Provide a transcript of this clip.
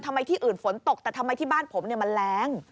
ที่อื่นฝนตกแต่ทำไมที่บ้านผมมันแรง